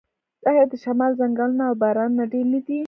آیا د شمال ځنګلونه او بارانونه ډیر نه دي؟